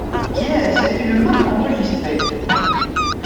Quies est une marque enregistrée.